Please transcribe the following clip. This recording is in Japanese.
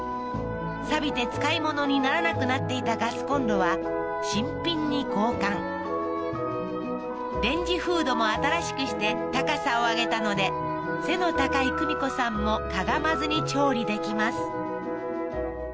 さびて使いものにならなくなっていたガスコンロは新品に交換レンジフードも新しくして高さを上げたので背の高い久美子さんもかがまずに調理できます